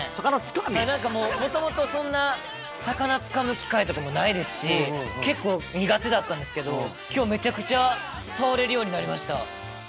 もともとそんな魚つかむ機会とかもないですし結構苦手だったんですけど今日めちゃくちゃ触れるようになりました。